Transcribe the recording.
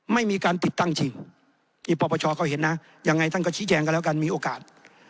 ไม่มีการติดตั้งจริงที่ปปชเขาเห็นนะยังไงท่านก็ชี้แจงกันแล้วกันมีโอกาส